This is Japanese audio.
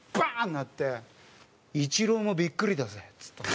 なって「イチローもビックリだぜ」っつったの。